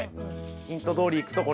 ヒントどおりいくとこんな感じ。